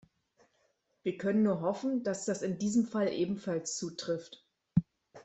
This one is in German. Wir können nur hoffen, dass das in diesem Fall ebenfalls zutrifft.